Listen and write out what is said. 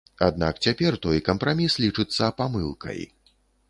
Аднак цяпер той кампраміс лічыцца памылкай.